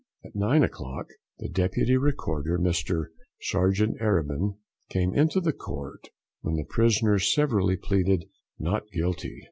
At nine o'clock the Deputy Recorder, Mr Serjeant Arabin, came into the court, when the prisoners severally pleaded "Not Guilty."